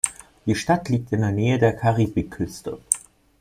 Die Stadt liegt in der Nähe der Karibikküste.